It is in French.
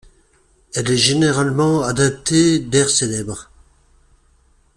Elle est généralement adaptée d'airs célèbres.